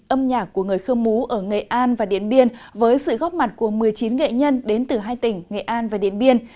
âm nhạc của người khơ mú ở nghệ an và điện biên với sự góp mặt của một mươi chín nghệ nhân đến từ hai tỉnh nghệ an và điện biên